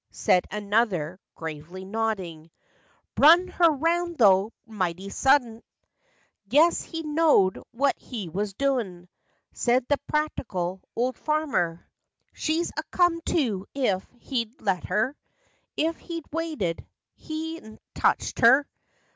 " Said another, gravely nodding. 72 FACTS AND FANCIES. " Brung her 'round tho' mighty suddent; Guess he know'd what he was doin' !" Said the practical old farmer. "She'd a come to if he'd let her; If he'd waited; hadn't touched her."